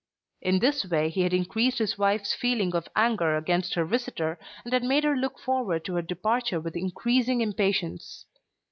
In this way he had increased his wife's feeling of anger against her visitor, and had made her look forward to her departure with increasing impatience.